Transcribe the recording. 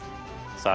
さあ